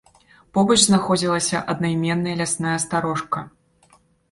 Побач знаходзілася аднайменная лясная старожка.